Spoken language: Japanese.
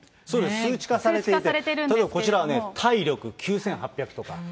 数値化されていて、例えばこちらはね、体力９８００とか。